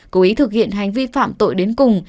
cố ý thực hiện hành vi phạm tội đến cùng